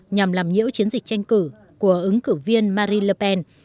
nhằm làm nhiễu chiến dịch tranh cử của ứng cử viên marine le pen